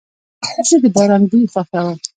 زه د باران بوی خوښوم.